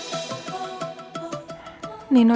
nih aku tidur